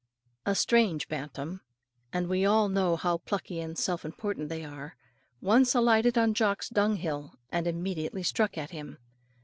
A strange bantam and we all know how plucky and self important they are once alighted on Jock's dung hill, and immediately struck at him.